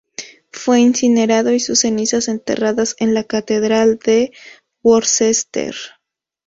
Fue incinerado y sus cenizas enterradas en la catedral de Worcester.